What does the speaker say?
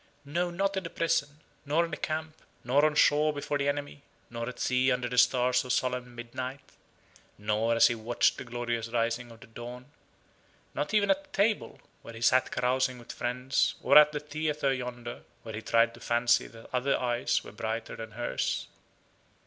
No, not in the prison; nor in the camp; nor on shore before the enemy; nor at sea under the stars of solemn midnight; nor as he watched the glorious rising of the dawn: not even at the table, where he sat carousing with friends, or at the theatre yonder, where he tried to fancy that other eyes were brighter than hers.